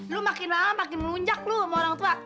lu makin lama makin melunjak lu sama orang tua